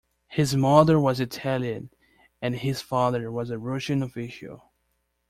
His mother was Italian, and his father was a Russian official.